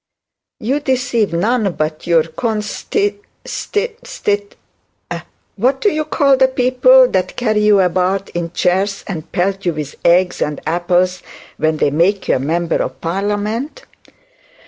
'You deceive none but your consti stit stit; what do you call the people that carry you about in chairs and pelt you with eggs and apples when they make you a member of parliament?'